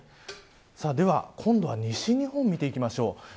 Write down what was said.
では、今度は西日本を見ていきましょう。